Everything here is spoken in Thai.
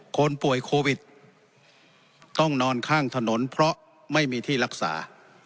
คนป่วยโควิดต้องนอนข้างถนนเพราะไม่มีที่รักษา